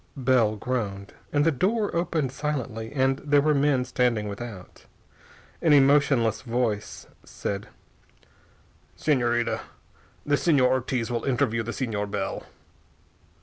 Bell groaned. And the door opened silently, and there were men standing without. An emotionless voice said: "Señorita, the Señor Ortiz will interview the Señor Bell."